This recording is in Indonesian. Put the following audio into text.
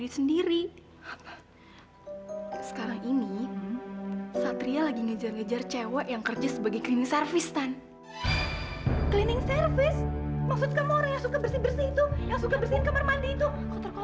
mungkin aku emang anak yang gak berbakti sama papa sama mama